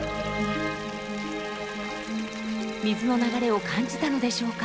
水の流れを感じたのでしょうか。